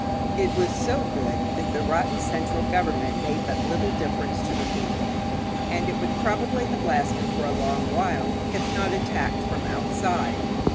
It was so good that the rotten central government made but little difference to the people, and it would probably have lasted for a long while if not attacked from outside.